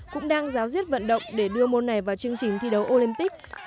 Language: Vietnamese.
cũng đang giáo diết vận động để đưa môn này vào chương trình thi đấu olympic